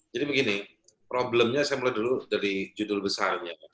jadi begini problemnya saya mulai dulu dari judul besarnya